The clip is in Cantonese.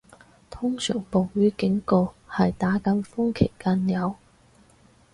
通常暴雨警告係打緊風期間有